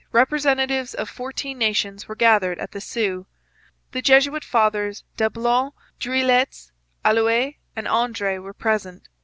'] On June 14 representatives of fourteen nations were gathered at the Sault. The Jesuit fathers Dablon, Dreuillettes, Allouez, and Andre were present.